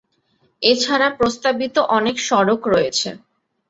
এছাড়া প্রস্তাবিত অনেক সড়ক রয়েছে।